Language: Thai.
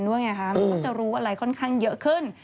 มันก็จะรู้อะไรค่อนข้างเยอะขึ้น